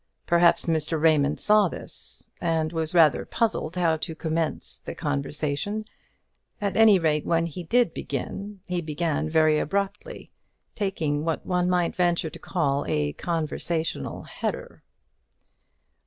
Perhaps Mr. Raymond saw this, and was rather puzzled how to commence the conversation; at any rate, when he did begin, he began very abruptly, taking what one might venture to call a conversational header.